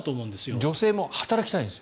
女性も働きたいんですよ。